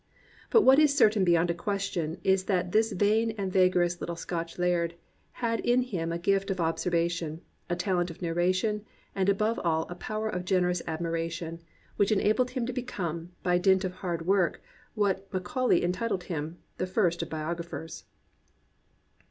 But what is certain beyond a question is that this vain and vagarious Kttle Scotch laird had in him a gift of observation, a talent of narration, and above all a power of generous admiration, which enabled him to become, by dint of hard work, what Macaulay entitled him, "the first of biographers.